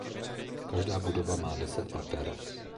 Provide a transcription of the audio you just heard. Každá budova má deset pater.